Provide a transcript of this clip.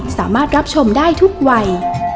สามารถรับชมได้ทุกวัย